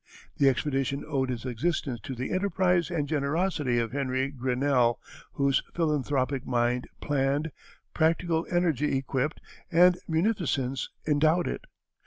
The expedition owed its existence to the enterprise and generosity of Henry Grinnell, whose philanthropic mind planned, practical energy equipped, and munificence endowed it.